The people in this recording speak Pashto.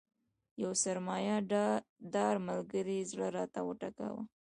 یو سرمایه دار ملګري زړه راته وټکاوه.